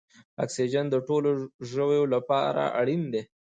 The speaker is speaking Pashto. اکسیجن د ټولو ژویو لپاره اړین دی